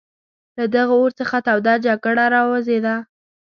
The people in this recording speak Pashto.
له دغه اور څخه توده جګړه را وزېږېده.